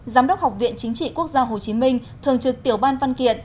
giám đốc học viện chính trị quốc gia hồ chí minh thường trực tiểu ban văn kiện